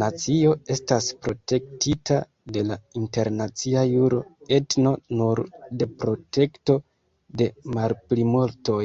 Nacio estas protektita de la internacia juro, etno nur de protekto de malplimultoj.